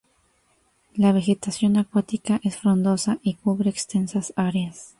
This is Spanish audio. La vegetación acuática es frondosa y cubre extensas áreas.